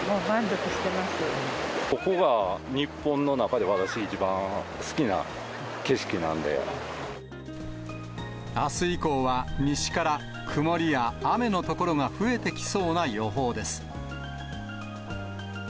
ここが日本の中で私、一番好あす以降は、西から曇りや雨の所が増えてきそうな予報です。